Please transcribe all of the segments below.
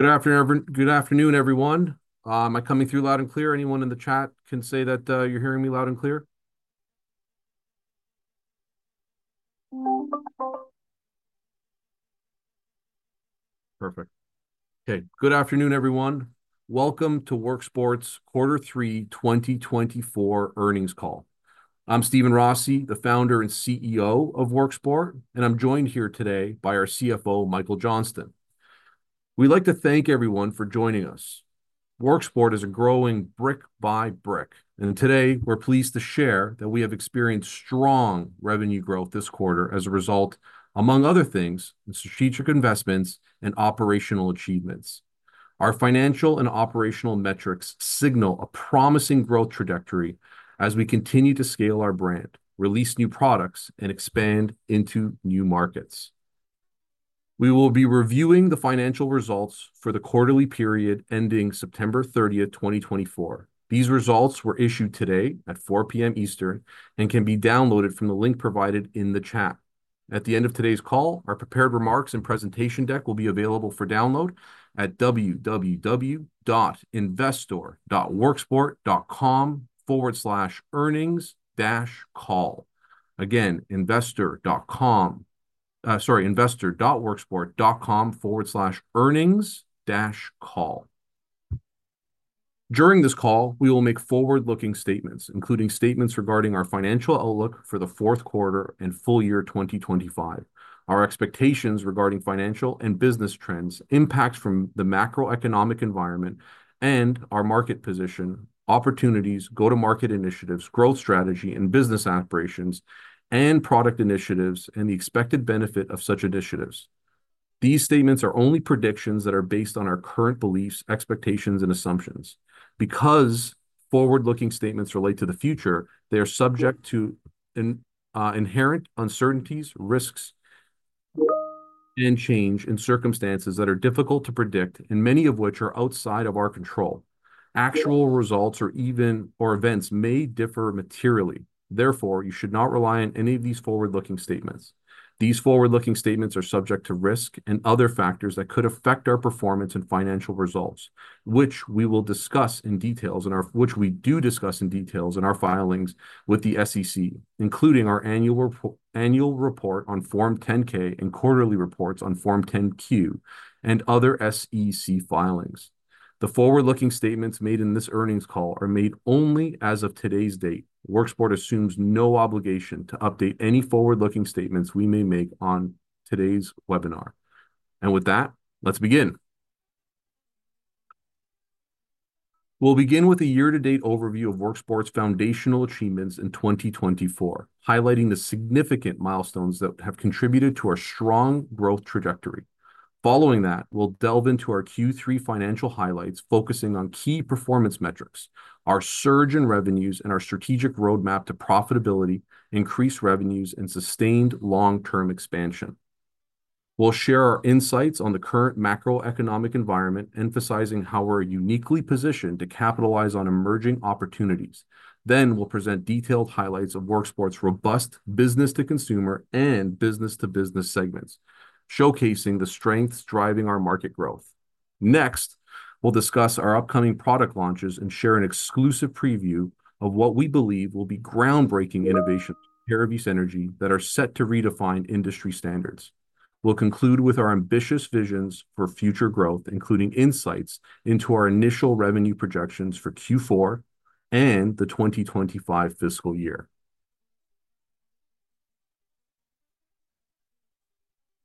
Good afternoon, everyone. Am I coming through loud and clear? Anyone in the chat can say that you're hearing me loud and clear. Perfect. Okay, good afternoon, everyone. Welcome to Worksport's Q3, 2024 earnings call. I'm Steven Rossi, the founder and CEO of Worksport, and I'm joined here today by our CFO, Michael Johnston. We'd like to thank everyone for joining us. Worksport is a growing brick by brick, and today we're pleased to share that we have experienced strong revenue growth this quarter as a result, among other things, of strategic investments and operational achievements. Our financial and operational metrics signal a promising growth trajectory as we continue to scale our brand, release new products, and expand into new markets. We will be reviewing the financial results for the quarterly period ending September 30, 2024. These results were issued today at 4:00 P.M. Eastern and can be downloaded from the link provided in the chat. At the end of today's call, our prepared remarks and presentation deck will be available for download at www.investor.worksport.com/earnings-call. Again, investor.com, sorry, investor.worksport.com/earnings-call. During this call, we will make forward-looking statements, including statements regarding our financial outlook for the Q4 and full year 2025, our expectations regarding financial and business trends, impacts from the macroeconomic environment, and our market position, opportunities, go-to-market initiatives, growth strategy, and business operations, and product initiatives, and the expected benefit of such initiatives. These statements are only predictions that are based on our current beliefs, expectations, and assumptions. Because forward-looking statements relate to the future, they are subject to inherent uncertainties, risks, and change in circumstances that are difficult to predict, and many of which are outside of our control. Actual results or events may differ materially. Therefore, you should not rely on any of these forward-looking statements. These forward-looking statements are subject to risk and other factors that could affect our performance and financial results, which we will discuss in detail, and which we do discuss in detail in our filings with the SEC, including our annual report on Form 10-K and quarterly reports on Form 10-Q and other SEC filings. The forward-looking statements made in this earnings call are made only as of today's date. Worksport assumes no obligation to update any forward-looking statements we may make on today's webinar. And with that, let's begin. We'll begin with a year-to-date overview of Worksport's foundational achievements in 2024, highlighting the significant milestones that have contributed to our strong growth trajectory. Following that, we'll delve into our Q3 financial highlights, focusing on key performance metrics, our surge in revenues, and our strategic roadmap to profitability, increased revenues, and sustained long-term expansion. We'll share our insights on the current macroeconomic environment, emphasizing how we're uniquely positioned to capitalize on emerging opportunities. Then, we'll present detailed highlights of Worksport's robust business-to-consumer and business-to-business segments, showcasing the strengths driving our market growth. Next, we'll discuss our upcoming product launches and share an exclusive preview of what we believe will be groundbreaking innovations in clean energy that are set to redefine industry standards. We'll conclude with our ambitious visions for future growth, including insights into our initial revenue projections for Q4 and the 2025 fiscal year.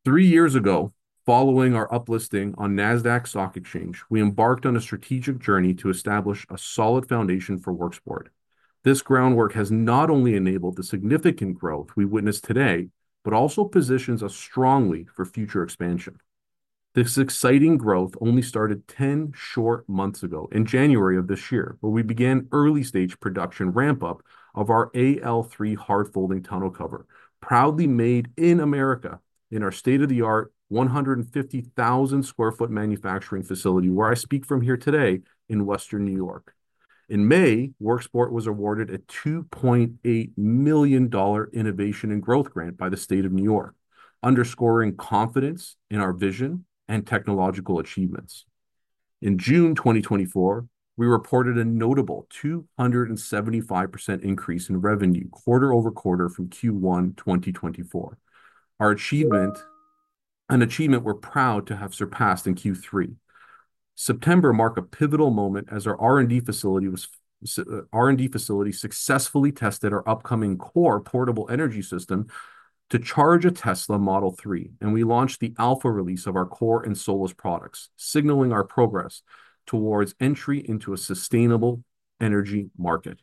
Three years ago, following our uplisting on Nasdaq Stock Exchange, we embarked on a strategic journey to establish a solid foundation for Worksport. This groundwork has not only enabled the significant growth we witness today, but also positions us strongly for future expansion. This exciting growth only started 10 short months ago, in January of this year, where we began early-stage production ramp-up of our AL3 hard-folding tonneau cover, proudly made in America in our state-of-the-art 150,000 sq ft manufacturing facility, where I speak from here today in Western New York. In May, Worksport was awarded a $2.8 million innovation and growth grant by the state of New York, underscoring confidence in our vision and technological achievements. In June 2024, we reported a notable 275% increase in revenue quarter over quarter from Q1 2024, an achievement we're proud to have surpassed in Q3. September marked a pivotal moment as our R&D facility successfully tested our upcoming COR portable energy system to charge a Tesla Model 3, and we launched the alpha release of our COR and SOLIS products, signaling our progress towards entry into a sustainable energy market.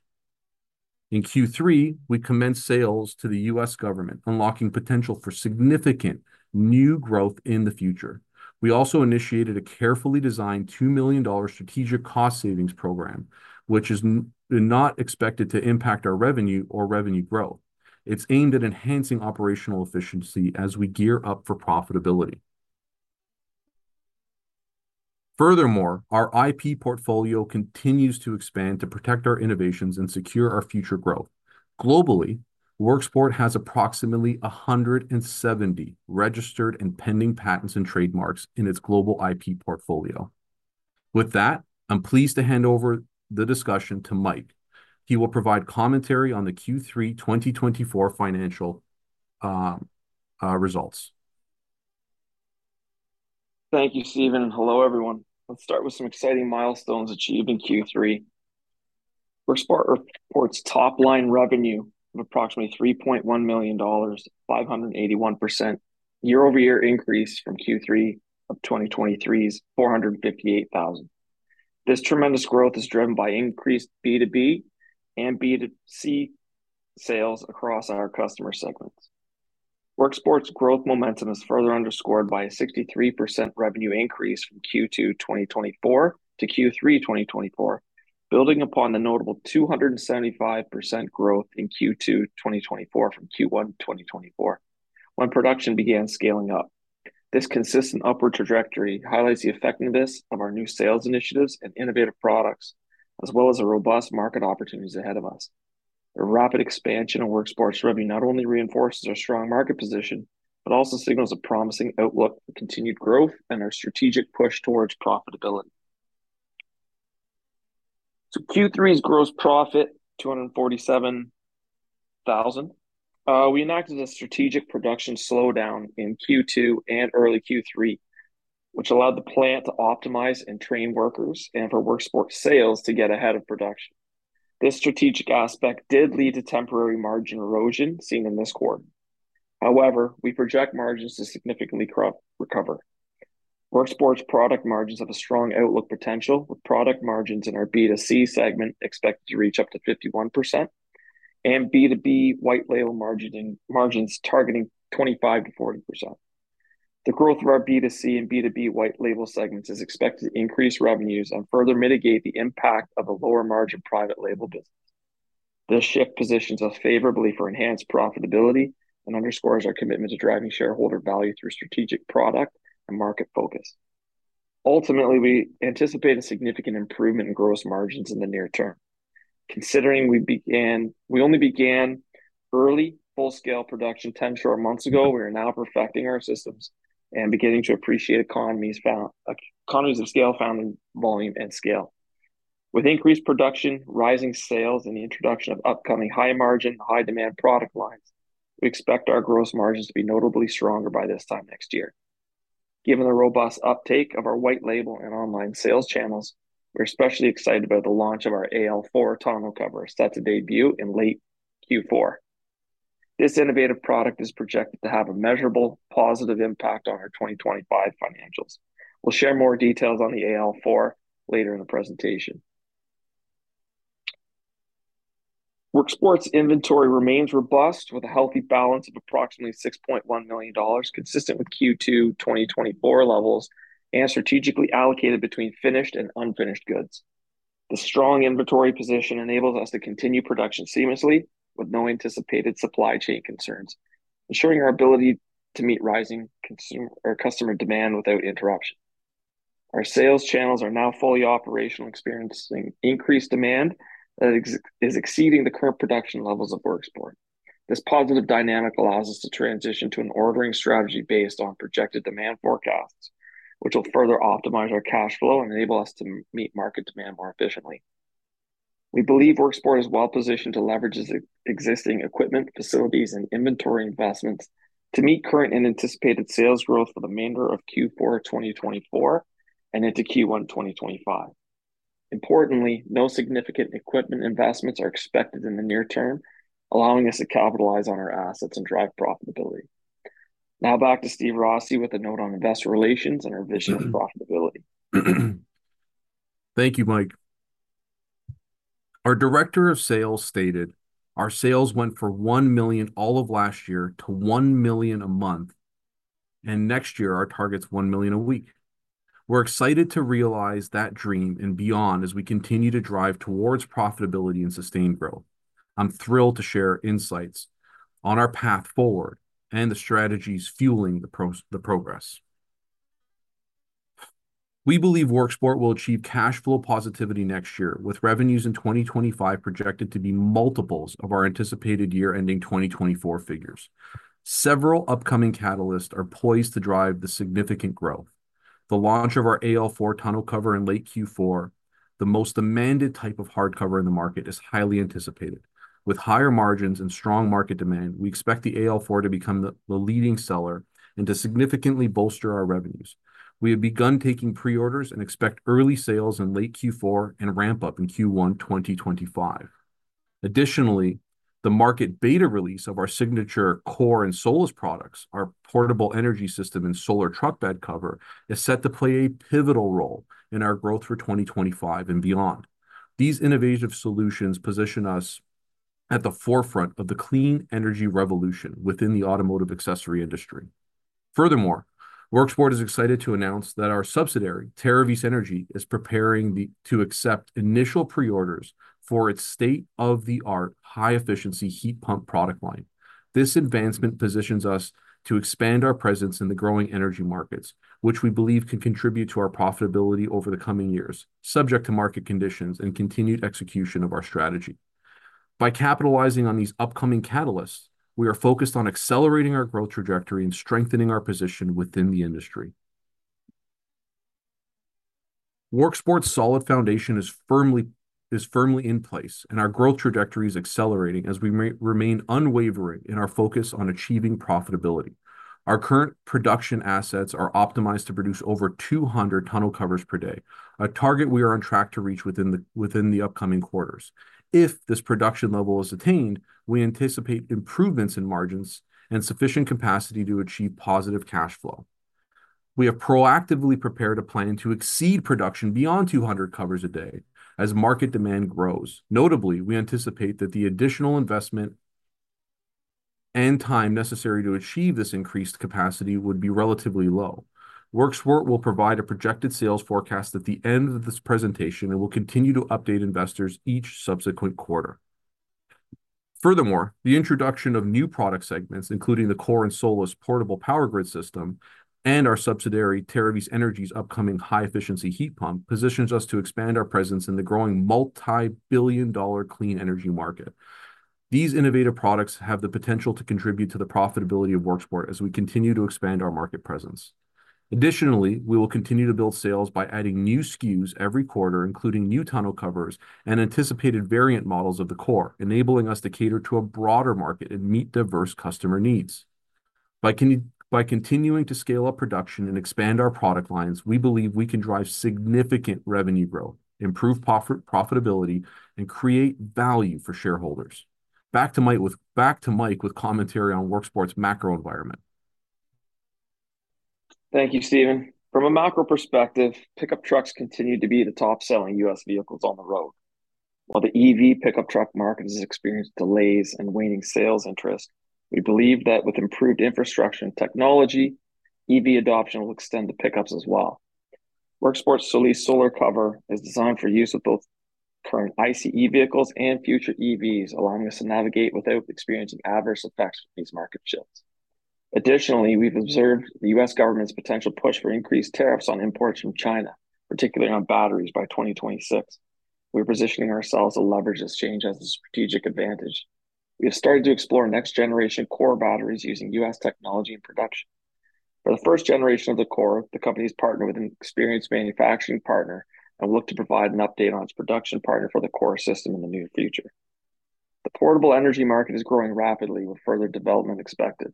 In Q3, we commenced sales to the U.S. government, unlocking potential for significant new growth in the future. We also initiated a carefully designed $2 million strategic cost savings program, which is not expected to impact our revenue or revenue growth. It's aimed at enhancing operational efficiency as we gear up for profitability. Furthermore, our IP portfolio continues to expand to protect our innovations and secure our future growth. Globally, Worksport has approximately 170 registered and pending patents and trademarks in its global IP portfolio. With that, I'm pleased to hand over the discussion to Mike. He will provide commentary on the Q3 2024 financial results. Thank you, Steven. Hello, everyone. Let's start with some exciting milestones achieved in Q3. Worksport reports top-line revenue of approximately $3.1 million, 581% year-over-year increase from Q3 of 2023's $458,000. This tremendous growth is driven by increased B2B and B2C sales across our customer segments. Worksport's growth momentum is further underscored by a 63% revenue increase from Q2 2024 to Q3 2024, building upon the notable 275% growth in Q2 2024 from Q1 2024 when production began scaling up. This consistent upward trajectory highlights the effectiveness of our new sales initiatives and innovative products, as well as the robust market opportunities ahead of us. The rapid expansion of Worksport's revenue not only reinforces our strong market position, but also signals a promising outlook for continued growth and our strategic push towards profitability. So Q3's gross profit, $247,000. We enacted a strategic production slowdown in Q2 and early Q3, which allowed the plant to optimize and train workers and for Worksport sales to get ahead of production. This strategic aspect did lead to temporary margin erosion seen in this quarter. However, we project margins to significantly recover. Worksport's product margins have a strong outlook potential, with product margins in our B2C segment expected to reach up to 51% and B2B white label margins targeting 25%-40%. The growth of our B2C and B2B white label segments is expected to increase revenues and further mitigate the impact of a lower margin private label business. This shift positions us favorably for enhanced profitability and underscores our commitment to driving shareholder value through strategic product and market focus. Ultimately, we anticipate a significant improvement in gross margins in the near term. Considering we only began early full-scale production 10 short months ago, we are now perfecting our systems and beginning to appreciate economies of scale, found in volume and scale. With increased production, rising sales, and the introduction of upcoming high-margin, high-demand product lines, we expect our gross margins to be notably stronger by this time next year. Given the robust uptake of our white label and online sales channels, we're especially excited about the launch of our AL4 tonneau cover set to debut in late Q4. This innovative product is projected to have a measurable positive impact on our 2025 financials. We'll share more details on the AL4 later in the presentation. Worksport's inventory remains robust, with a healthy balance of approximately $6.1 million, consistent with Q2 2024 levels and strategically allocated between finished and unfinished goods. The strong inventory position enables us to continue production seamlessly with no anticipated supply chain concerns, ensuring our ability to meet rising customer demand without interruption. Our sales channels are now fully operational, experiencing increased demand that is exceeding the current production levels of Worksport. This positive dynamic allows us to transition to an ordering strategy based on projected demand forecasts, which will further optimize our cash flow and enable us to meet market demand more efficiently. We believe Worksport is well positioned to leverage existing equipment, facilities, and inventory investments to meet current and anticipated sales growth for the remainder of Q4 2024 and into Q1 2025. Importantly, no significant equipment investments are expected in the near term, allowing us to capitalize on our assets and drive profitability. Now back to Steve Rossi with a note on investor relations and our vision of profitability. Thank you, Mike. Our Director of Sales stated, "Our sales went from $1 million all of last year to $1 million a month, and next year our target's $1 million a week." We're excited to realize that dream and beyond as we continue to drive towards profitability and sustained growth. I'm thrilled to share insights on our path forward and the strategies fueling the progress. We believe Worksport will achieve cash flow positivity next year, with revenues in 2025 projected to be multiples of our anticipated year-ending 2024 figures. Several upcoming catalysts are poised to drive the significant growth. The launch of our AL4 tonneau cover in late Q4, the most demanded type of hard cover in the market, is highly anticipated. With higher margins and strong market demand, we expect the AL4 to become the leading seller and to significantly bolster our revenues. We have begun taking pre-orders and expect early sales in late Q4 and ramp-up in Q1 2025. Additionally, the market beta release of our signature COR and solar products, our portable energy system and solar truck bed cover, is set to play a pivotal role in our growth for 2025 and beyond. These innovative solutions position us at the forefront of the clean energy revolution within the automotive accessory industry. Furthermore, Worksport is excited to announce that our subsidiary, Terravis Energy, is preparing to accept initial pre-orders for its state-of-the-art high-efficiency heat pump product line. This advancement positions us to expand our presence in the growing energy markets, which we believe can contribute to our profitability over the coming years, subject to market conditions and continued execution of our strategy. By capitalizing on these upcoming catalysts, we are focused on accelerating our growth trajectory and strengthening our position within the industry. Worksport's solid foundation is firmly in place, and our growth trajectory is accelerating as we remain unwavering in our focus on achieving profitability. Our current production assets are optimized to produce over 200 tonneau covers per day, a target we are on track to reach within the upcoming quarters. If this production level is attained, we anticipate improvements in margins and sufficient capacity to achieve positive cash flow. We have proactively prepared a plan to exceed production beyond 200 tonneau covers a day as market demand grows. Notably, we anticipate that the additional investment and time necessary to achieve this increased capacity would be relatively low. Worksport will provide a projected sales forecast at the end of this presentation and will continue to update investors each subsequent quarter. Furthermore, the introduction of new product segments, including the COR and SOLIS portable power grid system and our subsidiary, Terravis Energy's upcoming high-efficiency heat pump, positions us to expand our presence in the growing multi-billion-dollar clean energy market. These innovative products have the potential to contribute to the profitability of Worksport as we continue to expand our market presence. Additionally, we will continue to build sales by adding new SKUs every quarter, including new tonneau covers and anticipated variant models of the COR, enabling us to cater to a broader market and meet diverse customer needs. By continuing to scale up production and expand our product lines, we believe we can drive significant revenue growth, improve profitability, and create value for shareholders. Back to Mike with commentary on Worksport's macro environment. Thank you, Steven. From a macro perspective, pickup trucks continue to be the top-selling U.S. vehicles on the road. While the EV pickup truck market has experienced delays and waning sales interest, we believe that with improved infrastructure and technology, EV adoption will extend to pickups as well. Worksport's SOLIS solar cover is designed for use with both current ICE vehicles and future EVs, allowing us to navigate without experiencing adverse effects from these market shifts. Additionally, we've observed the U.S. government's potential push for increased tariffs on imports from China, particularly on batteries, by 2026. We're positioning ourselves to leverage this change as a strategic advantage. We have started to explore next-generation COR batteries using U.S. technology in production. For the first generation of the core, the company has partnered with an experienced manufacturing partner and will look to provide an update on its production partner for the core system in the near future. The portable energy market is growing rapidly, with further development expected.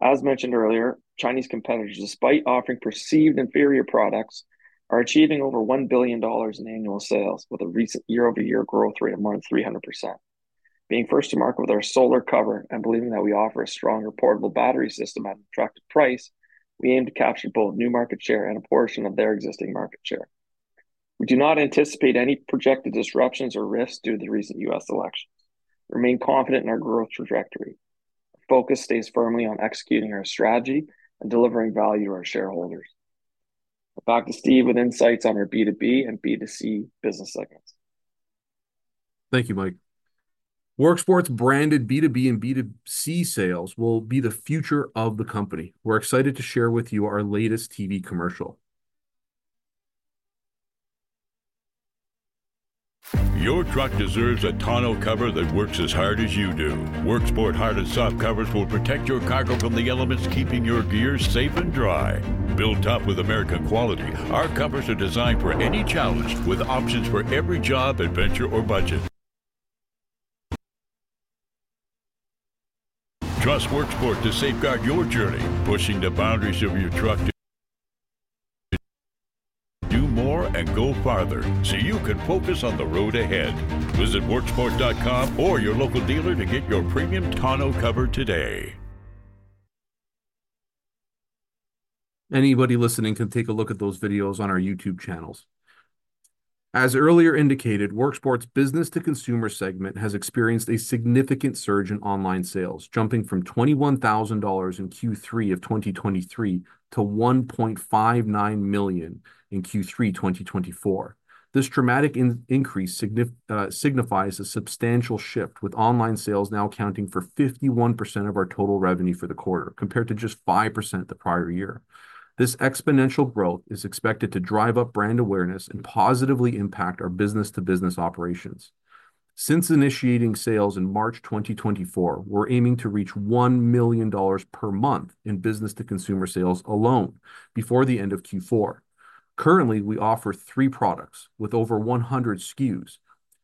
As mentioned earlier, Chinese competitors, despite offering perceived inferior products, are achieving over $1 billion in annual sales, with a recent year-over-year growth rate of more than 300%. Being first to market with our solar cover and believing that we offer a stronger portable battery system at an attractive price, we aim to capture both new market share and a portion of their existing market share. We do not anticipate any projected disruptions or risks due to the recent U.S. elections. We remain confident in our growth trajectory. Our focus stays firmly on executing our strategy and delivering value to our shareholders. Back to Steve with insights on our B2B and B2C business segments. Thank you, Mike. Worksport's branded B2B and B2C sales will be the future of the company. We're excited to share with you our latest TV commercial. Your truck deserves a tonneau cover that works as hard as you do. Worksport hard and soft covers will protect your cargo from the elements, keeping your gear safe and dry. Built up with American quality, our covers are designed for any challenge, with options for every job, adventure, or budget. Trust Worksport to safeguard your journey, pushing the boundaries of your truck to do more and go farther so you can focus on the road ahead. Visit Worksport.com or your local dealer to get your premium tonneau cover today. Anybody listening can take a look at those videos on our YouTube channels. As earlier indicated, Worksport's business-to-consumer segment has experienced a significant surge in online sales, jumping from $21,000 in Q3 of 2023 to $1.59 million in Q3 2024. This dramatic increase signifies a substantial shift, with online sales now accounting for 51% of our total revenue for the quarter, compared to just 5% the prior year. This exponential growth is expected to drive up brand awareness and positively impact our business-to-business operations. Since initiating sales in March 2024, we're aiming to reach $1 million per month in business-to-consumer sales alone before the end of Q4. Currently, we offer three products with over 100 SKUs,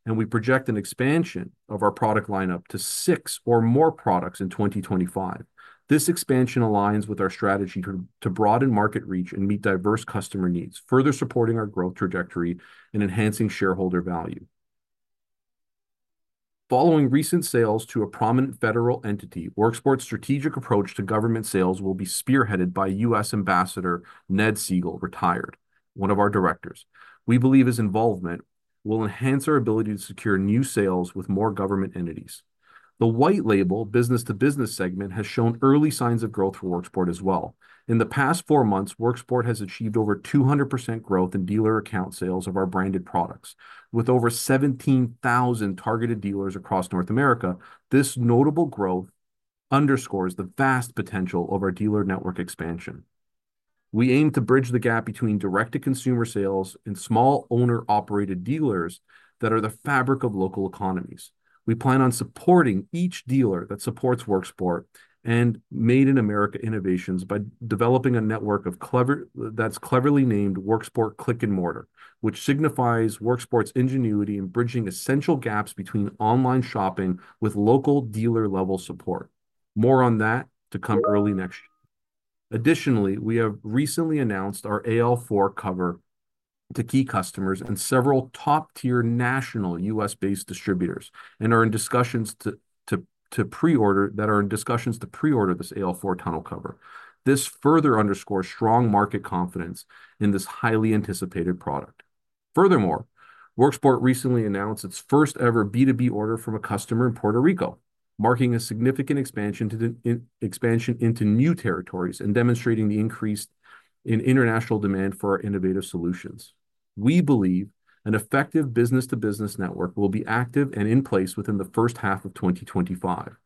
and we project an expansion of our product lineup to six or more products in 2025. This expansion aligns with our strategy to broaden market reach and meet diverse customer needs, further supporting our growth trajectory and enhancing shareholder value. Following recent sales to a prominent federal entity, Worksport's strategic approach to government sales will be spearheaded by U.S. Ambassador Ned Siegel, retired, one of our directors. We believe his involvement will enhance our ability to secure new sales with more government entities. The white label business-to-business segment has shown early signs of growth for Worksport as well. In the past four months, Worksport has achieved over 200% growth in dealer account sales of our branded products. With over 17,000 targeted dealers across North America, this notable growth underscores the vast potential of our dealer network expansion. We aim to bridge the gap between direct-to-consumer sales and small owner-operated dealers that are the fabric of local economies. We plan on supporting each dealer that supports Worksport and Made in America innovations by developing a network that's cleverly named Worksport Click and Mortar, which signifies Worksport's ingenuity in bridging essential gaps between online shopping with local dealer-level support. More on that to come early next year. Additionally, we have recently announced our AL4 cover to key customers and several top-tier national U.S.-based distributors and are in discussions to pre-order this AL4 tonneau cover. This further underscores strong market confidence in this highly anticipated product. Furthermore, Worksport recently announced its first-ever B2B order from a customer in Puerto Rico, marking a significant expansion into new territories and demonstrating the increase in international demand for our innovative solutions. We believe an effective business-to-business network will be active and in place within the first half of 2025.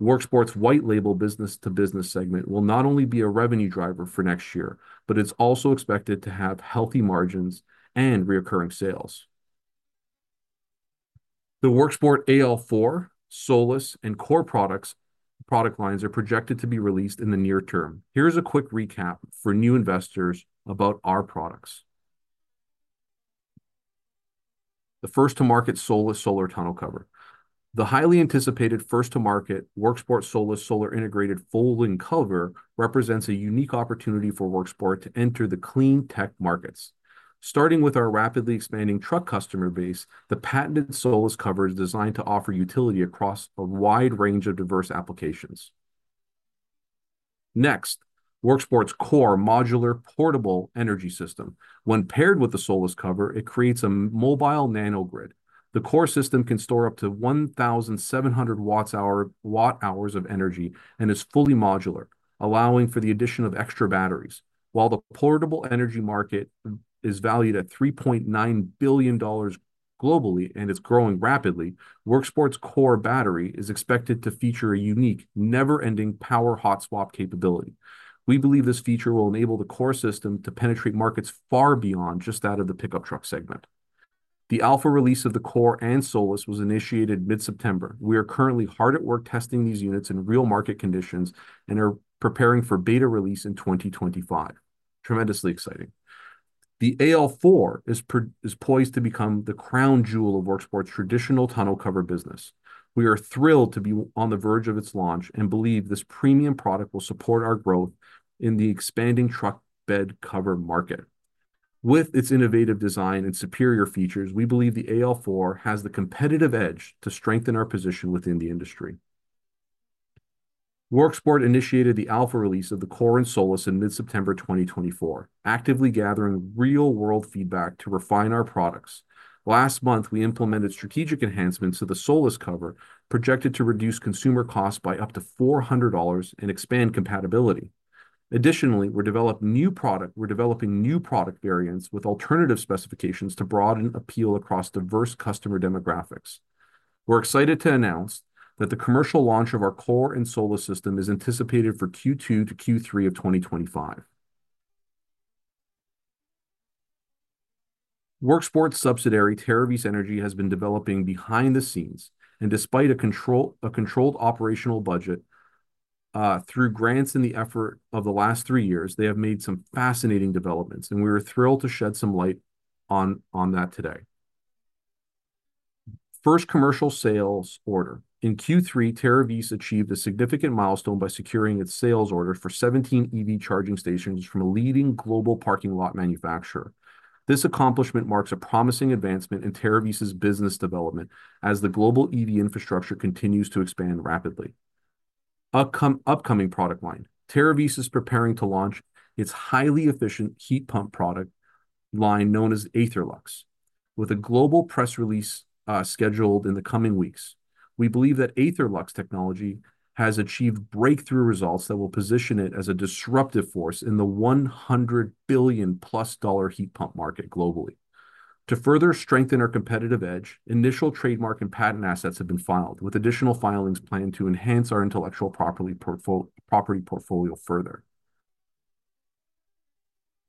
Worksport's white label business-to-business segment will not only be a revenue driver for next year, but it's also expected to have healthy margins and recurring sales. The Worksport AL4, SOLIS, and COR product lines are projected to be released in the near term. Here's a quick recap for new investors about our products. The first-to-market SOLIS solar tonneau cover. The highly anticipated first-to-market Worksport SOLIS solar integrated folding cover represents a unique opportunity for Worksport to enter the clean tech markets. Starting with our rapidly expanding truck customer base, the patented SOLIS cover is designed to offer utility across a wide range of diverse applications. Next, Worksport's COR modular portable energy system. When paired with the SOLIS cover, it creates a mobile Nano-Grid. The COR system can store up to 1,700 watt-hours of energy and is fully modular, allowing for the addition of extra batteries. While the portable energy market is valued at $3.9 billion globally and is growing rapidly, Worksport's COR battery is expected to feature a unique, never-ending power hot swap capability. We believe this feature will enable the COR system to penetrate markets far beyond just out of the pickup truck segment. The alpha release of the COR and SOLIS was initiated mid-September. We are currently hard at work testing these units in real market conditions and are preparing for beta release in 2025. Tremendously exciting. The AL4 is poised to become the crown jewel of Worksport's traditional tonneau cover business. We are thrilled to be on the verge of its launch and believe this premium product will support our growth in the expanding truck bed cover market. With its innovative design and superior features, we believe the AL4 has the competitive edge to strengthen our position within the industry. Worksport initiated the alpha release of the COR and SOLIS in mid-September 2024, actively gathering real-world feedback to refine our products. Last month, we implemented strategic enhancements to the SOLIS cover, projected to reduce consumer costs by up to $400 and expand compatibility. Additionally, we're developing new product variants with alternative specifications to broaden appeal across diverse customer demographics. We're excited to announce that the commercial launch of our COR and SOLIS system is anticipated for Q2 to Q3 of 2025. Worksport's subsidiary, Terravis Energy, has been developing behind the scenes, and despite a controlled operational budget through grants in the effort of the last three years, they have made some fascinating developments, and we are thrilled to shed some light on that today. First commercial sales order. In Q3, Terravis achieved a significant milestone by securing its sales order for 17 EV charging stations from a leading global parking lot manufacturer. This accomplishment marks a promising advancement in Terravis's business development as the global EV infrastructure continues to expand rapidly. Upcoming product line. Terravis is preparing to launch its highly efficient heat pump product line known as Aetherlux, with a global press release scheduled in the coming weeks. We believe that Aetherlux technology has achieved breakthrough results that will position it as a disruptive force in the $100 billion-plus heat pump market globally. To further strengthen our competitive edge, initial trademark and patent assets have been filed, with additional filings planned to enhance our intellectual property portfolio further.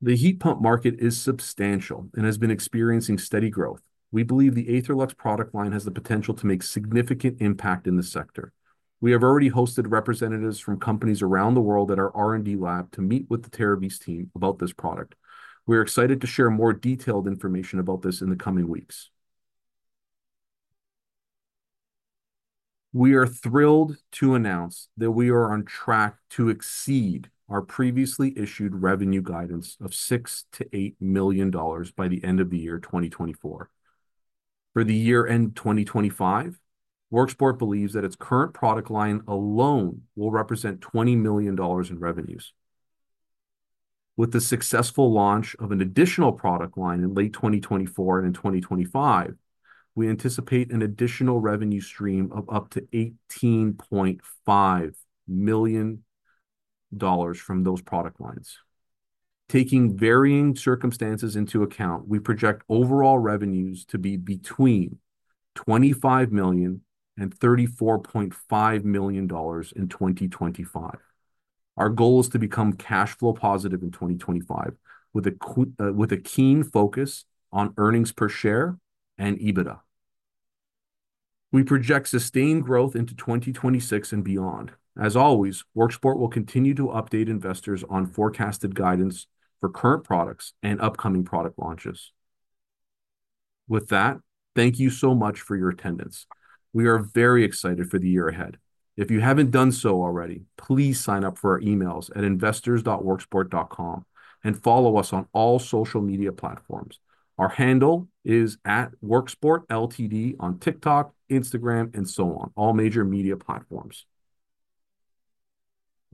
The heat pump market is substantial and has been experiencing steady growth. We believe the Aetherlux product line has the potential to make significant impact in the sector. We have already hosted representatives from companies around the world at our R&D lab to meet with the Terravis team about this product. We are excited to share more detailed information about this in the coming weeks. We are thrilled to announce that we are on track to exceed our previously issued revenue guidance of $6-$8 million by the end of the year 2024. For the year-end 2025, Worksport believes that its current product line alone will represent $20 million in revenues. With the successful launch of an additional product line in late 2024 and in 2025, we anticipate an additional revenue stream of up to $18.5 million from those product lines. Taking varying circumstances into account, we project overall revenues to be between $25 million and $34.5 million in 2025. Our goal is to become cash flow positive in 2025, with a keen focus on earnings per share and EBITDA. We project sustained growth into 2026 and beyond. As always, Worksport will continue to update investors on forecasted guidance for current products and upcoming product launches. With that, thank you so much for your attendance. We are very excited for the year ahead. If you haven't done so already, please sign up for our emails at investors.worksport.com and follow us on all social media platforms. Our handle is @WorksportLTD on TikTok, Instagram, and so on, all major media platforms.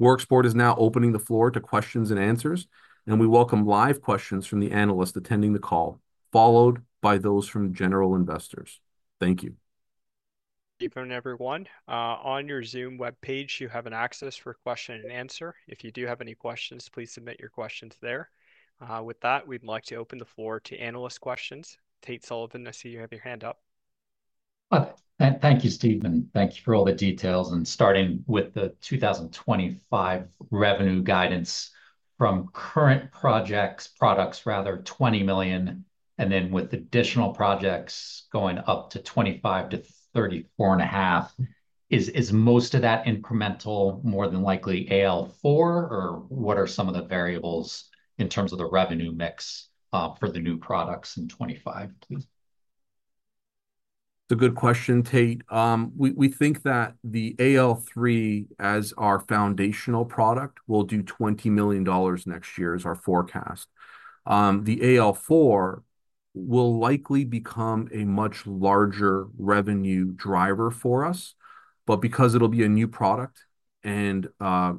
Worksport is now opening the floor to questions and answers, and we welcome live questions from the analysts attending the call, followed by those from general investors. Thank you. Good evening, everyone. On your Zoom webpage, you have an access for question and answer. If you do have any questions, please submit your questions there. With that, we'd like to open the floor to analyst questions. Tate Sullivan, I see you have your hand up. Thank you, Steven. Thank you for all the details. And starting with the 2025 revenue guidance from current projects, products, rather, $20 million, and then with additional projects going up to $25-$34.5 million, is most of that incremental more than likely AL4, or what are some of the variables in terms of the revenue mix for the new products in 2025, please? It's a good question, Tate. We think that the AL3, as our foundational product, will do $20 million next year, is our forecast. The AL4 will likely become a much larger revenue driver for us, but because it'll be a new product and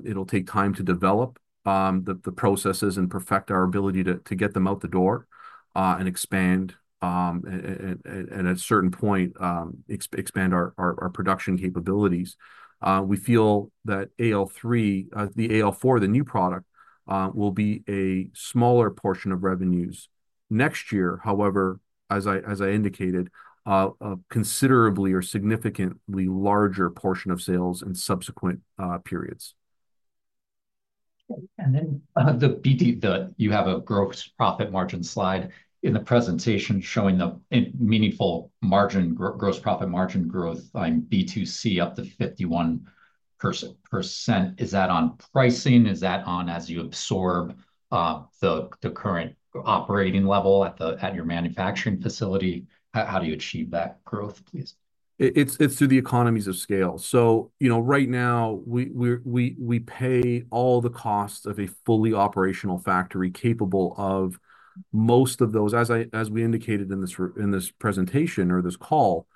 it'll take time to develop the processes and perfect our ability to get them out the door and expand, and at a certain point, expand our production capabilities, we feel that the AL4, the new product, will be a smaller portion of revenues next year. However, as I indicated, a considerably or significantly larger portion of sales in subsequent periods. Then the deck, you have a gross profit margin slide in the presentation showing the meaningful gross profit margin growth on B2C up to 51%. Is that on pricing? Is that on costs as you absorb the current operating level at your manufacturing facility? How do you achieve that growth, please? It's through the economies of scale. So right now, we pay all the costs of a fully operational factory capable of most of those, as we indicated in this presentation or this call,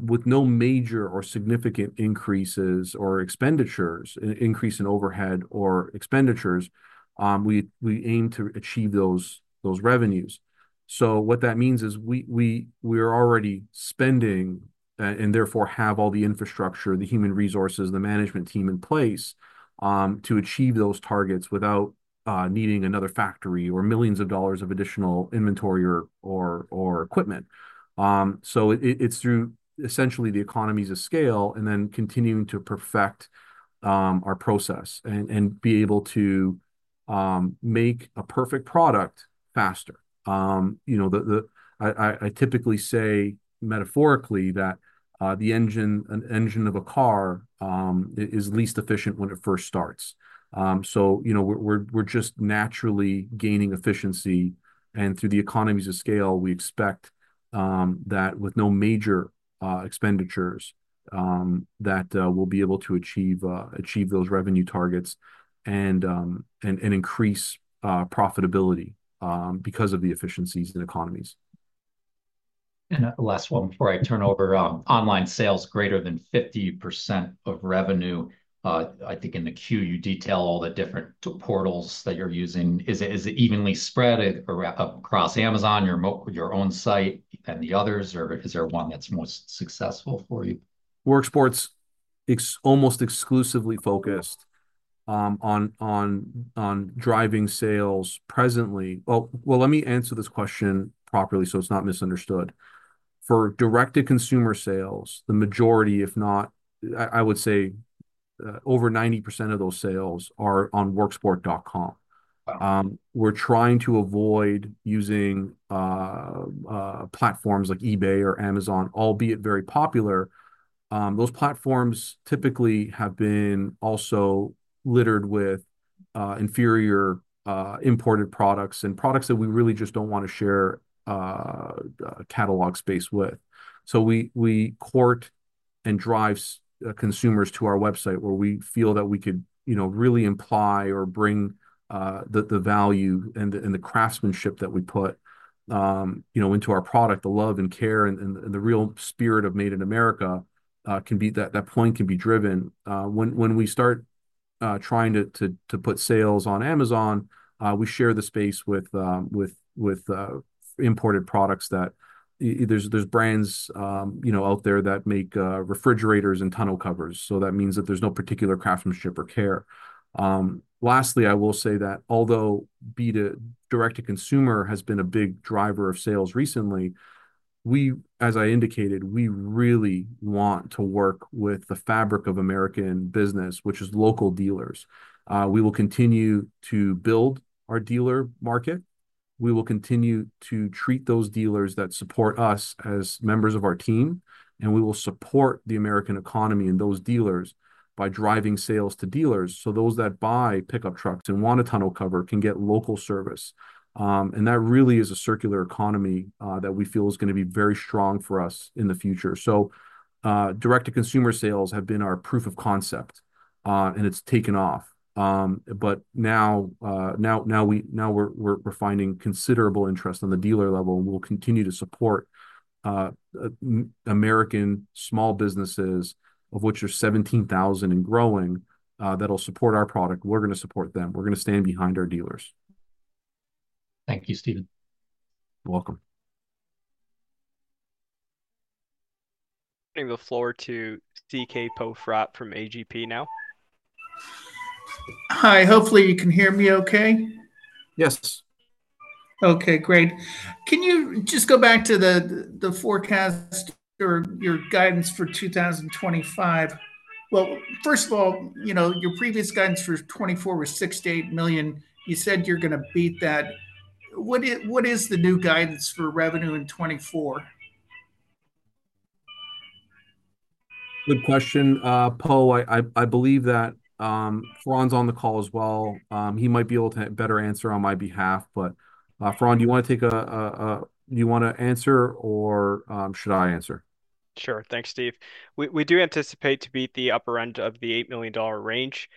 with no major or significant increases or expenditures, increase in overhead or expenditures. We aim to achieve those revenues. So what that means is we are already spending and therefore have all the infrastructure, the human resources, the management team in place to achieve those targets without needing another factory or millions of dollars of additional inventory or equipment. So it's through essentially the economies of scale and then continuing to perfect our process and be able to make a perfect product faster. I typically say metaphorically that the engine of a car is least efficient when it first starts. So we're just naturally gaining efficiency, and through the economies of scale, we expect that with no major expenditures, that we'll be able to achieve those revenue targets and increase profitability because of the efficiencies and economies. And last one before I turn over, online sales greater than 50% of revenue. I think in the queue, you detail all the different portals that you're using. Is it evenly spread across Amazon, your own site, and the others, or is there one that's most successful for you? Worksport's almost exclusively focused on driving sales presently. Well, let me answer this question properly so it's not misunderstood. For direct-to-consumer sales, the majority, if not, I would say over 90% of those sales are on Worksport.com. We're trying to avoid using platforms like eBay or Amazon, albeit very popular. Those platforms typically have been also littered with inferior imported products and products that we really just don't want to share catalog space with. So we court and drive consumers to our website where we feel that we could really imply or bring the value and the craftsmanship that we put into our product, the love and care and the real spirit of Made in America can be that point can be driven. When we start trying to put sales on Amazon, we share the space with imported products that there's brands out there that make refrigerators and tonneau covers. So that means that there's no particular craftsmanship or care. Lastly, I will say that although direct-to-consumer has been a big driver of sales recently, as I indicated, we really want to work with the fabric of American business, which is local dealers. We will continue to build our dealer market. We will continue to treat those dealers that support us as members of our team, and we will support the American economy and those dealers by driving sales to dealers so those that buy pickup trucks and want a tonneau cover can get local service. And that really is a circular economy that we feel is going to be very strong for us in the future. So direct-to-consumer sales have been our proof of concept, and it's taken off. But now we're finding considerable interest on the dealer level, and we'll continue to support American small businesses, of which there's 17,000 and growing, that'll support our product. We're going to support them. We're going to stand behind our dealers. Thank you, Steven. You're welcome. Giving the floor to C.K. Pore Fratt from A.G.P. now. Hi. Hopefully, you can hear me okay. Yes. Okay. Great. Can you just go back to the forecast or your guidance for 2025? Well, first of all, your previous guidance for 2024 was $6-$8 million. You said you're going to beat that. What is the new guidance for revenue in 2024? Good question. Pore, I believe that Faran is on the call as well. He might be able to better answer on my behalf. But Faran, do you want to answer, or should I answer? Sure. Thanks, Steve. We do anticipate to beat the upper end of the $8 million range.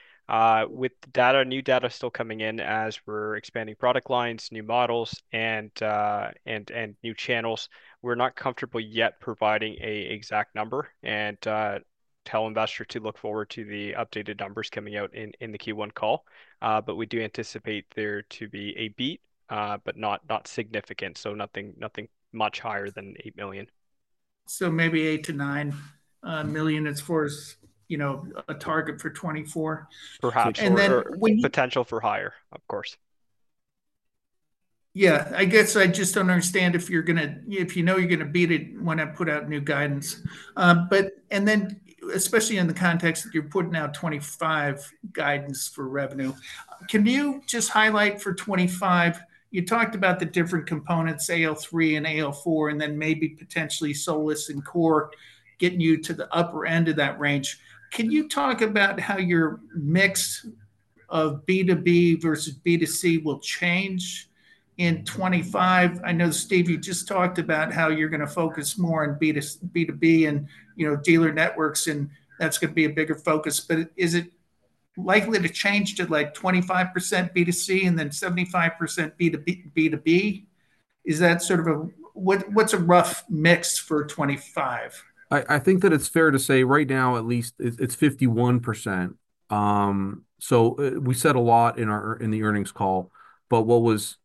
With new data still coming in as we're expanding product lines, new models, and new channels, we're not comfortable yet providing an exact number and tell investors to look forward to the updated numbers coming out in the Q1 call. But we do anticipate there to be a beat, but not significant, so nothing much higher than $8 million. So maybe $8-$9 million is for a target for 2024? Perhaps. Potential for higher, of course. Yeah. I guess I just don't understand if you know you're going to beat it when I put out new guidance. And then especially in the context that you're putting out '25 guidance for revenue, can you just highlight for '25? You talked about the different components, AL3 and AL4, and then maybe potentially SOLIS and COR getting you to the upper end of that range. Can you talk about how your mix of B2B versus B2C will change in '25? I know, Steve, you just talked about how you're going to focus more on B2B and dealer networks, and that's going to be a bigger focus. But is it likely to change to like 25% B2C and then 75% B2B? Is that sort of a what's a rough mix for '25? I think that it's fair to say right now, at least, it's 51%. So we said a lot in the earnings call, but what was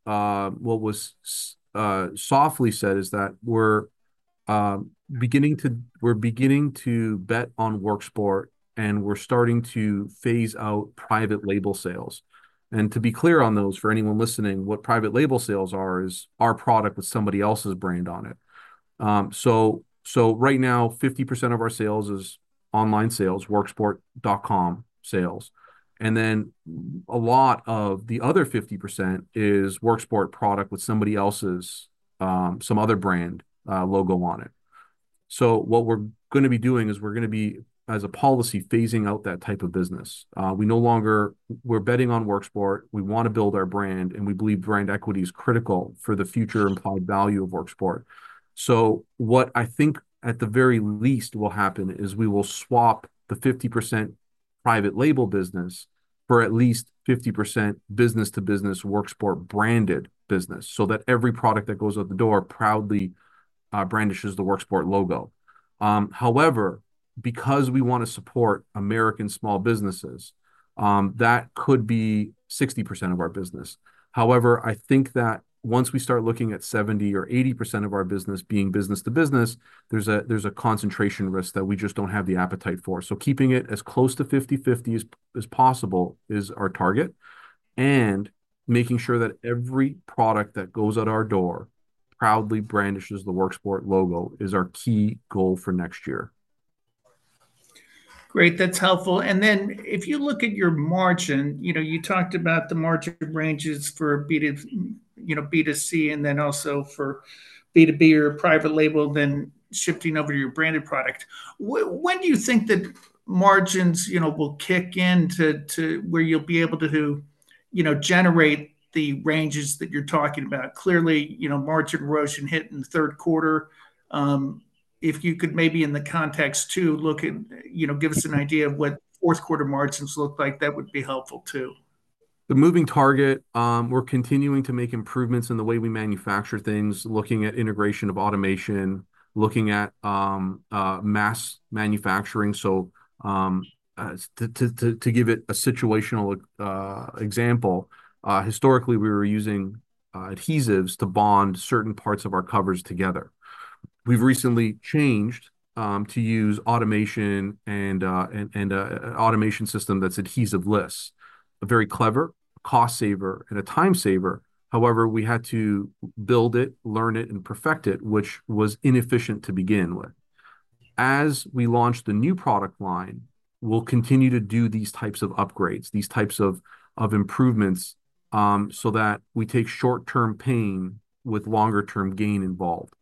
softly said is that we're beginning to bet on Worksport, and we're starting to phase out private label sales. And to be clear on those for anyone listening, what private label sales are is our product with somebody else's brand on it. So right now, 50% of our sales is online sales, Worksport.com sales. And then a lot of the other 50% is Worksport product with somebody else's, some other brand logo on it. So what we're going to be doing is, as a policy, phasing out that type of business. We're betting on Worksport. We want to build our brand, and we believe brand equity is critical for the future implied value of Worksport. So what I think at the very least will happen is we will swap the 50% private label business for at least 50% business-to-business Worksport branded business so that every product that goes out the door proudly brandishes the Worksport logo. However, because we want to support American small businesses, that could be 60% of our business. However, I think that once we start looking at 70 or 80% of our business being business-to-business, there's a concentration risk that we just don't have the appetite for. So keeping it as close to 50/50 as possible is our target. And making sure that every product that goes out our door proudly brandishes the Worksport logo is our key goal for next year. Great. That's helpful. And then if you look at your margin, you talked about the margin ranges for B2C and then also for B2B or private label, then shifting over to your branded product. When do you think that margins will kick into where you'll be able to generate the ranges that you're talking about? Clearly, margin erosion hit in the Q3. If you could maybe in the context too, give us an idea of what Q4 margins look like, that would be helpful too. The moving target, we're continuing to make improvements in the way we manufacture things, looking at integration of automation, looking at mass manufacturing. So to give it a situational example, historically, we were using adhesives to bond certain parts of our covers together. We've recently changed to use automation and an automation system that's adhesive-less, a very clever cost-saver and a time-saver. However, we had to build it, learn it, and perfect it, which was inefficient to begin with. As we launch the new product line, we'll continue to do these types of upgrades, these types of improvements so that we take short-term pain with longer-term gain involved.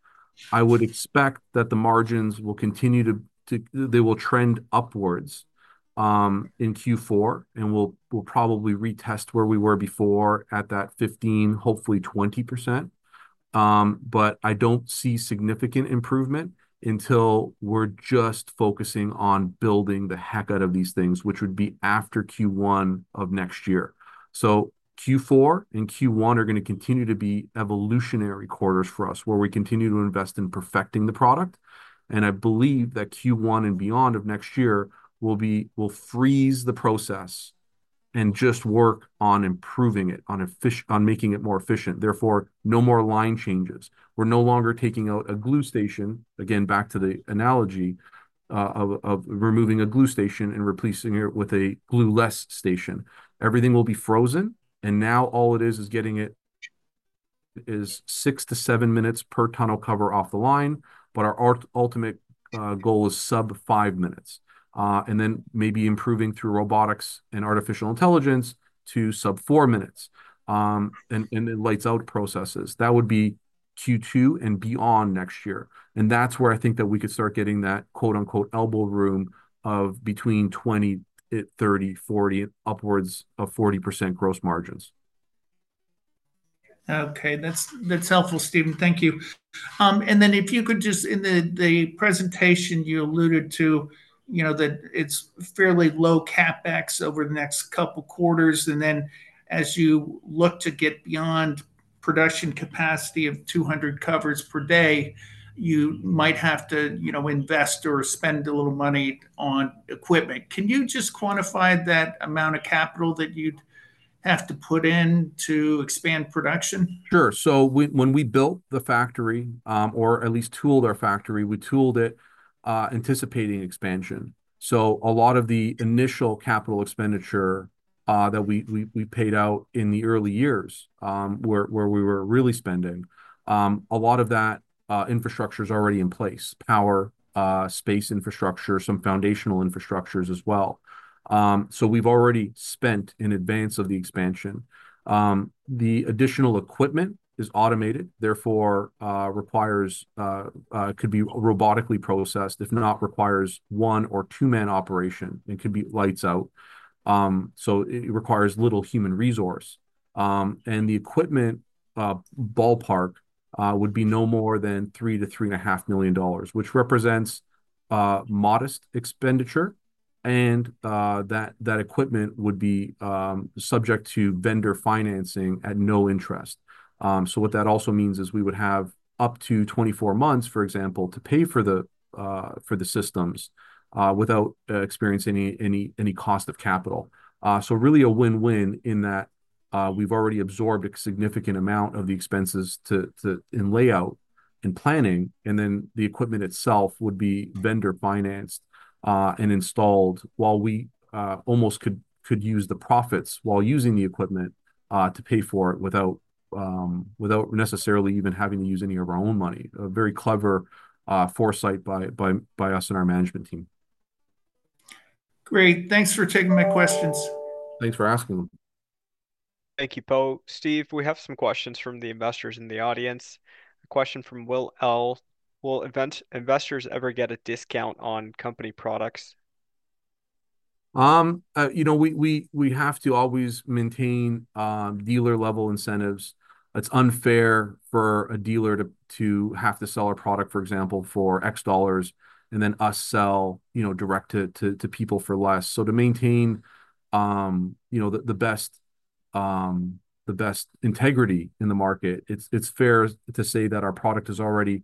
I would expect that the margins will continue to trend upwards in Q4, and we'll probably retest where we were before at that 15%, hopefully 20%. But I don't see significant improvement until we're just focusing on building the heck out of these things, which would be after Q1 of next year. So Q4 and Q1 are going to continue to be evolutionary quarters for us where we continue to invest in perfecting the product. And I believe that Q1 and beyond of next year will freeze the process and just work on improving it, on making it more efficient. Therefore, no more line changes. We're no longer taking out a glue station. Again, back to the analogy of removing a glue station and replacing it with a glue-less station. Everything will be frozen, and now all it is is getting it to six to seven minutes per tonneau cover off the line, but our ultimate goal is sub-five minutes. And then maybe improving through robotics and artificial intelligence to sub-four minutes and the lights-out processes. That would be Q2 and beyond next year. And that's where I think that we could start getting that "elbow room" of between 20, 30, 40, upwards of 40% gross margins. Okay. That's helpful, Steven. Thank you. And then if you could just in the presentation, you alluded to that it's fairly low CapEx over the next couple of quarters. And then as you look to get beyond production capacity of 200 covers per day, you might have to invest or spend a little money on equipment. Can you just quantify that amount of capital that you'd have to put in to expand production? Sure. So when we built the factory, or at least tooled our factory, we tooled it anticipating expansion. So a lot of the initial capital expenditure that we paid out in the early years where we were really spending, a lot of that infrastructure is already in place: power, space infrastructure, some foundational infrastructures as well. So we've already spent in advance of the expansion. The additional equipment is automated, therefore requires could be robotically processed, if not requires one or two-man operation, and could be lights-out. So it requires little human resource. And the equipment ballpark would be no more than $3-$3.5 million, which represents modest expenditure, and that equipment would be subject to vendor financing at no interest. So what that also means is we would have up to 24 months, for example, to pay for the systems without experiencing any cost of capital. Really a win-win in that we've already absorbed a significant amount of the expenses in layout and planning, and then the equipment itself would be vendor-financed and installed while we almost could use the profits while using the equipment to pay for it without necessarily even having to use any of our own money. A very clever foresight by us and our management team. Great. Thanks for taking my questions. Thanks for asking them. Thank you, Paul. Steve, we have some questions from the investors in the audience. A question from Will L. Will investors ever get a discount on company products? We have to always maintain dealer-level incentives. It's unfair for a dealer to have to sell our product, for example, for X dollars, and then us sell direct to people for less. So to maintain the best integrity in the market, it's fair to say that our product is already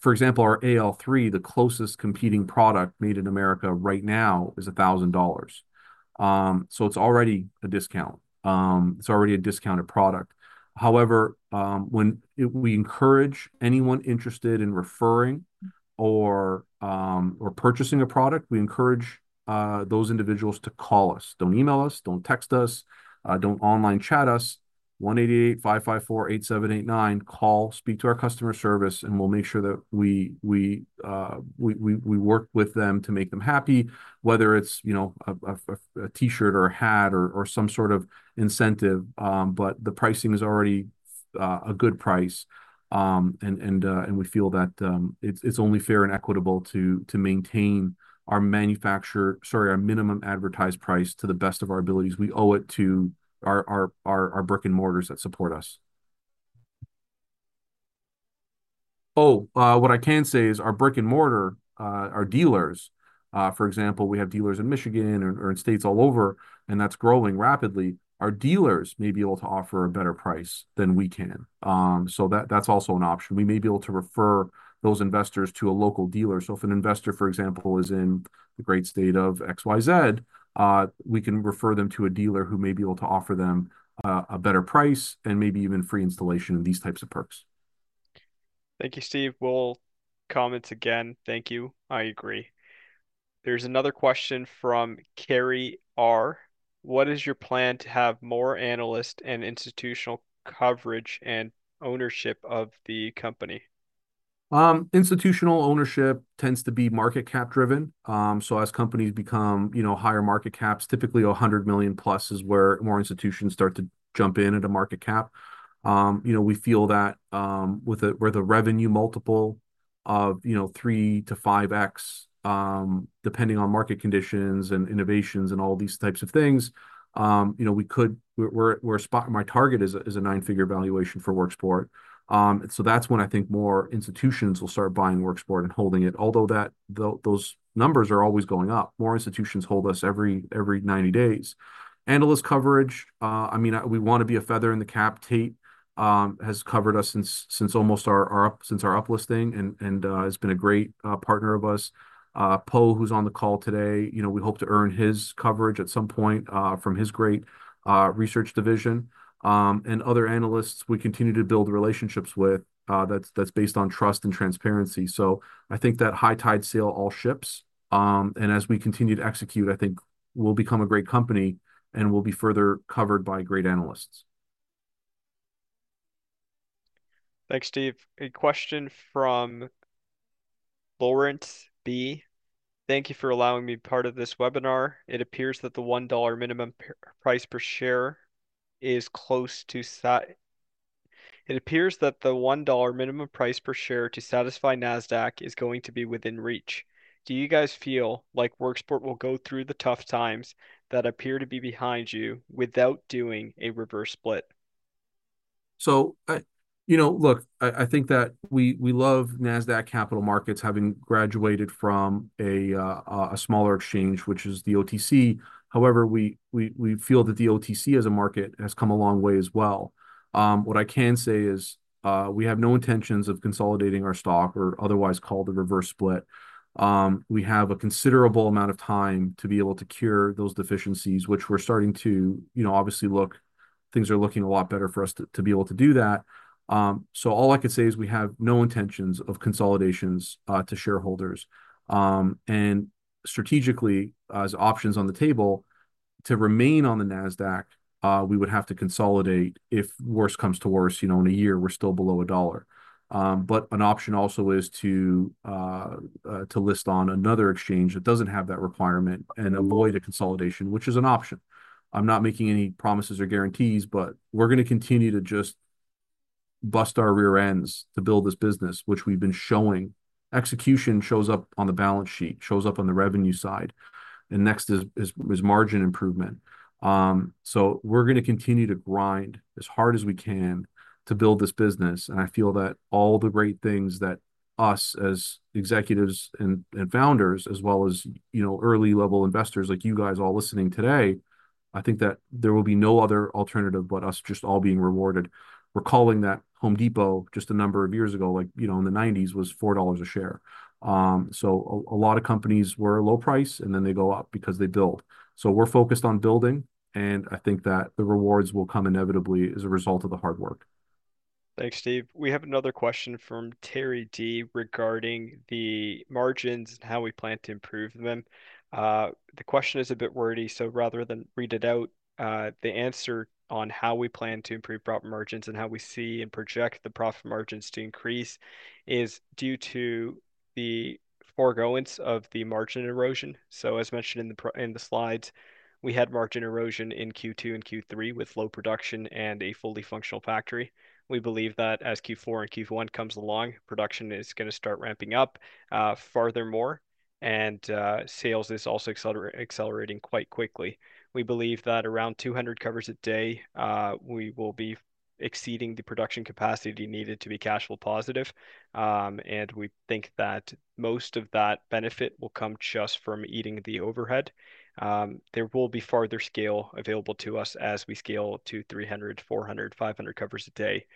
for example, our AL3, the closest competing product made in America right now is $1,000. So it's already a discount. It's already a discounted product. However, when we encourage anyone interested in referring or purchasing a product, we encourage those individuals to call us. Don't email us. Don't text us. Don't online chat us. 1-888-554-8789. Call, speak to our customer service, and we'll make sure that we work with them to make them happy, whether it's a T-shirt or a hat or some sort of incentive. But the pricing is already a good price, and we feel that it's only fair and equitable to maintain our manufacturer sorry, our minimum advertised price to the best of our abilities. We owe it to our brick and mortars that support us. Oh, what I can say is our brick and mortar, our dealers, for example, we have dealers in Michigan or in states all over, and that's growing rapidly. Our dealers may be able to offer a better price than we can. So that's also an option. We may be able to refer those investors to a local dealer. So if an investor, for example, is in the great state of XYZ, we can refer them to a dealer who may be able to offer them a better price and maybe even free installation and these types of perks. Thank you, Steve. We'll comment again. Thank you. I agree. There's another question from Kerry R. What is your plan to have more analyst and institutional coverage and ownership of the company? Institutional ownership tends to be market cap driven. So as companies become higher market caps, typically 100 million plus is where more institutions start to jump into market cap. We feel that with a revenue multiple of 3-5X, depending on market conditions and innovations and all these types of things, we could. My target is a nine-figure valuation for Worksport. So that's when I think more institutions will start buying Worksport and holding it, although those numbers are always going up. More institutions hold us every 90 days. Analyst coverage, I mean, we want to be a feather in the cap. A.G.P. has covered us since almost our uplisting and has been a great partner of us. Paul, who's on the call today, we hope to earn his coverage at some point from his great research division. And other analysts we continue to build relationships with, that's based on trust and transparency. So I think that high tide sail all ships. And as we continue to execute, I think we'll become a great company and we'll be further covered by great analysts. Thanks, Steve. A question from Laurent B. Thank you for allowing me part of this webinar. It appears that the $1 minimum price per share to satisfy Nasdaq is going to be within reach. Do you guys feel like Worksport will go through the tough times that appear to be behind you without doing a reverse split? So look, I think that we love Nasdaq capital markets having graduated from a smaller exchange, which is the OTC. However, we feel that the OTC as a market has come a long way as well. What I can say is we have no intentions of consolidating our stock or otherwise called a reverse split. We have a considerable amount of time to be able to cure those deficiencies, which we're starting to obviously look things are looking a lot better for us to be able to do that. So all I could say is we have no intentions of consolidations to shareholders. And strategically, as options on the table, to remain on the Nasdaq, we would have to consolidate if worse comes to worse in a year, we're still below a dollar. But an option also is to list on another exchange that doesn't have that requirement and avoid a consolidation, which is an option. I'm not making any promises or guarantees, but we're going to continue to just bust our rear ends to build this business, which we've been showing. Execution shows up on the balance sheet, shows up on the revenue side, and next is margin improvement. So we're going to continue to grind as hard as we can to build this business. And I feel that all the great things that us as executives and founders, as well as early-level investors like you guys all listening today, I think that there will be no other alternative but us just all being rewarded. Recalling that Home Depot just a number of years ago, like in the 1990s, was $4 a share. So, a lot of companies were low price, and then they go up because they build. So, we're focused on building, and I think that the rewards will come inevitably as a result of the hard work. Thanks, Steve. We have another question from Terry D. regarding the margins and how we plan to improve them. The question is a bit wordy, so rather than read it out, the answer on how we plan to improve margins and how we see and project the profit margins to increase is due to the forgoing of the margin erosion. So as mentioned in the slides, we had margin erosion in Q2 and Q3 with low production and a fully functional factory. We believe that as Q4 and Q1 comes along, production is going to start ramping up furthermore, and sales is also accelerating quite quickly. We believe that around 200 covers a day, we will be exceeding the production capacity needed to be cash flow positive. And we think that most of that benefit will come just from eating the overhead. There will be further scale available to us as we scale to 300, 400, 500 covers a day.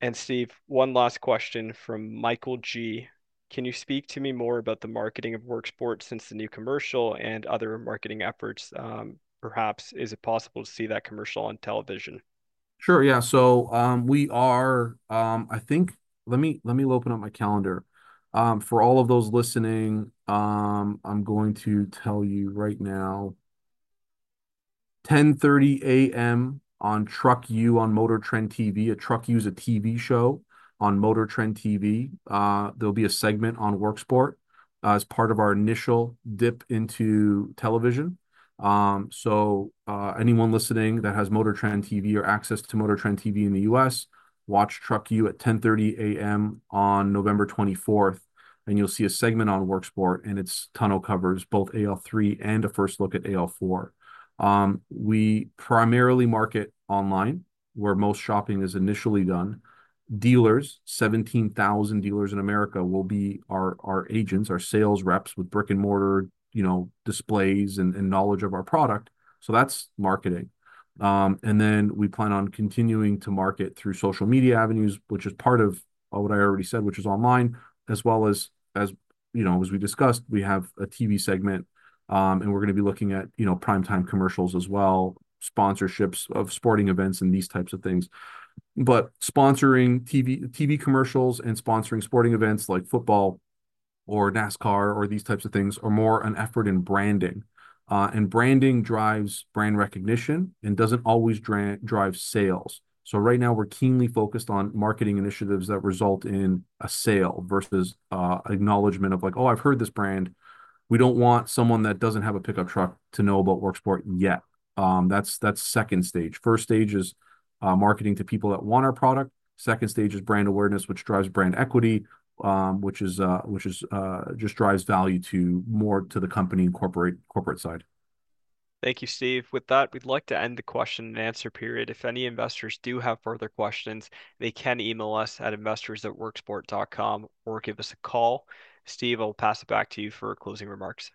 And Steve, one last question from Michael G. Can you speak to me more about the marketing of Worksport since the new commercial and other marketing efforts? Perhaps is it possible to see that commercial on television? Sure. Yeah. So we are. I think let me open up my calendar. For all of those listening, I'm going to tell you right now, 10:30 A.M. on Truck U on Motor Trend TV. Truck U is a TV show on Motor Trend TV. There'll be a segment on Worksport as part of our initial dip into television. So anyone listening that has Motor Trend TV or access to Motor Trend TV in the U.S., watch Truck U at 10:30 A.M. on November 24th, and you'll see a segment on Worksport and its onneau Covers, both AL3 and a first look at AL4. We primarily market online where most shopping is initially done. Dealers, 17,000 dealers in America will be our agents, our sales reps with brick and mortar displays and knowledge of our product. So that's marketing. And then we plan on continuing to market through social media avenues, which is part of what I already said, which is online, as well as, as we discussed, we have a TV segment, and we're going to be looking at prime-time commercials as well, sponsorships of sporting events and these types of things. But sponsoring TV commercials and sponsoring sporting events like football or NASCAR or these types of things are more an effort in branding. And branding drives brand recognition and doesn't always drive sales. So right now, we're keenly focused on marketing initiatives that result in a sale versus acknowledgment of like, "Oh, I've heard this brand." We don't want someone that doesn't have a pickup truck to know about Worksport yet. That's second stage. First stage is marketing to people that want our product. Second stage is brand awareness, which drives brand equity, which just drives value more to the company and corporate side. Thank you, Steve. With that, we'd like to end the question and answer period. If any investors do have further questions, they can email us at investors@worksport.com or give us a call. Steve, I'll pass it back to you for closing remarks.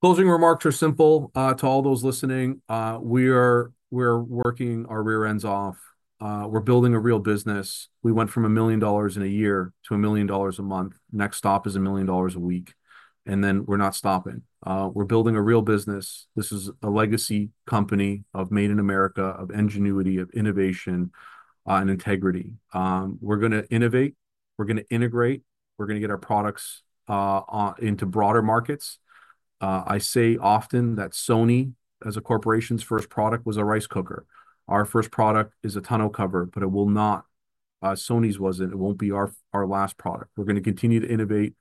Closing remarks are simple to all those listening. We are working our rear ends off. We're building a real business. We went from $1 million in a year to $1 million a month. Next stop is $1 million a week, and then we're not stopping. We're building a real business. This is a legacy company of Made in America, of ingenuity, of innovation, and integrity. We're going to innovate. We're going to integrate. We're going to get our products into broader markets. I say often that Sony as a corporation's first product was a rice cooker. Our first product is a tonneau cover, but it will not. Sony's wasn't. It won't be our last product. We're going to continue to innovate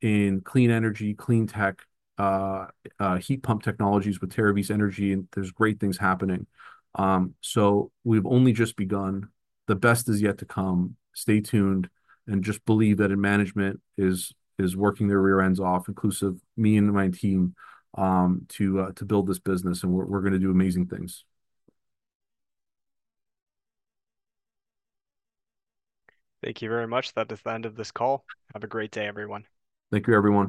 in clean energy, clean tech, heat pump technologies with Terravis Energy, and there's great things happening, so we've only just begun. The best is yet to come. Stay tuned. And just believe that management is working their rear ends off, inclusive of me and my team, to build this business. And we're going to do amazing things. Thank you very much. That is the end of this call. Have a great day, everyone. Thank you, everyone.